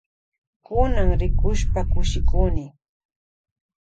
Kunan rikushpa kushikuni.